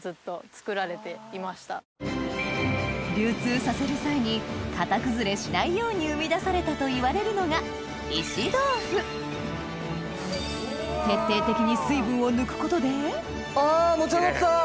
流通させる際に型崩れしないように生み出されたといわれるのが徹底的に水分を抜くことであ持ち上がった！